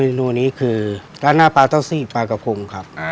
นูนี้คือร้านหน้าปลาเต้าซี่ปลากระพงครับ